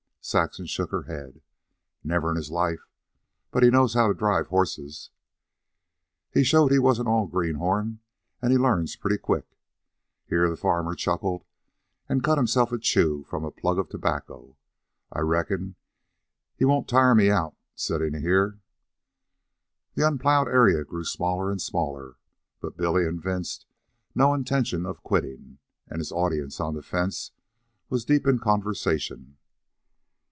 Saxon shook her head. "Never in his life. But he knows how to drive horses." "He showed he wasn't all greenhorn, an' he learns pretty quick." Here the farmer chuckled and cut himself a chew from a plug of tobacco. "I reckon he won't tire me out a settin' here." The unplowed area grew smaller and smaller, but Billy evinced no intention of quitting, and his audience on the fence was deep in conversation.